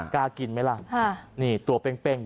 กล้ากินไหมล่ะนี่ตัวเป้งแบบนี้